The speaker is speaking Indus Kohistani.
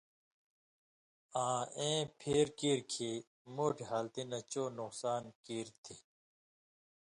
آں ایں پھیر کیریۡ کھیں مُوٹھیۡ حالتی نہ چو نقصان کیریۡ تھی۔